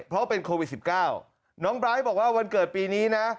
เพราะเป็นโควิด๑๙น้องไบร์ทบอกว่าวันเกิดปีนี้นะ